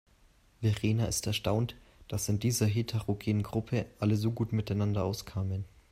Verena ist erstaunt, dass in dieser heterogenen Gruppe alle so gut miteinander auskamen.